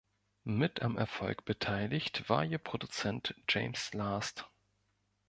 Mit am Erfolg beteiligt war ihr Produzent James Last.